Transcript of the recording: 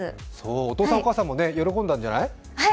お父さんお母さんも喜んだんじゃない？